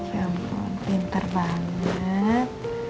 ya ampun pinter banget